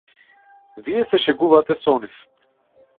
Вие се шегувате со нив.